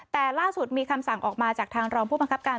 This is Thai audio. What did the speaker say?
แต่ล่าสุดมีคำสั่งออกมาจากทางรองผู้บังคับการ